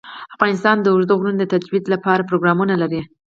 افغانستان د اوږده غرونه د ترویج لپاره پروګرامونه لري.